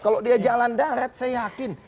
kalau dia jalan darat saya yakin